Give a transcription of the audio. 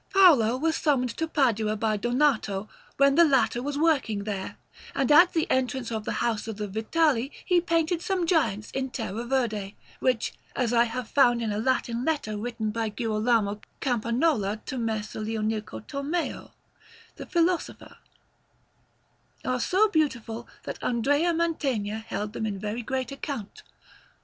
Paolo was summoned to Padua by Donato, when the latter was working there, and at the entrance of the house of the Vitali he painted some giants in terra verde, which, as I have found in a Latin letter written by Girolamo Campagnola to Messer Leonico Tomeo, the philosopher, are so beautiful that Andrea Mantegna held them in very great account.